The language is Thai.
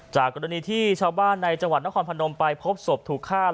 จากกรณีที่ชาวบ้านในจังหวัดนครพนมไปพบศพถูกฆ่า